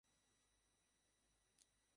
সবাই ভেবেছিল, তোমাদের হয়তো শেষমেশ বিয়ে হবে।